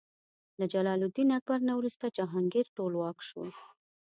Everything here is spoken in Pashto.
له جلال الدین اکبر نه وروسته جهانګیر ټولواک شو.